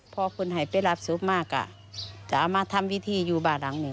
พ่อคุณหายไปรับสูตรมากจะเอามาทำวิธีอยู่บ้านหลังนี้